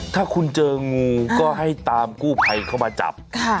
ถ้าคุณเจองูก็ให้ตามกู้ภัยเข้ามาจับ